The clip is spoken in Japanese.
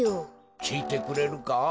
きいてくれるか？